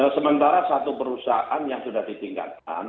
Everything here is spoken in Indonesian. sementara satu perusahaan yang sudah ditingkatkan